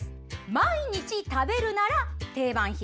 毎日食べるものが定番品。